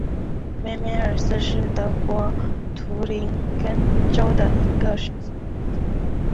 梅梅尔斯是德国图林根州的一个市镇。